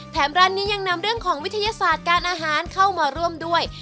แถมร้านนี้ยังนำเรื่องของวิทยาศาสตร์การอาหารเข้ามาร่วมด้วย